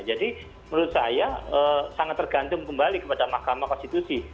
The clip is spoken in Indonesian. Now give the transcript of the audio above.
jadi menurut saya sangat tergantung kembali kepada mahkamah konstitusi